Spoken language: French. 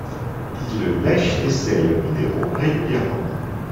Il lèche les sels minéraux régulièrement.